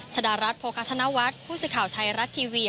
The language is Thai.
ชดารัฐโภคธนวัฒน์ผู้สื่อข่าวไทยรัฐทีวี